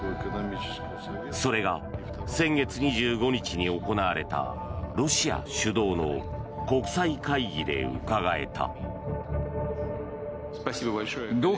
それが、先月２５日に行われたロシア主導の国際会議でうかがえた。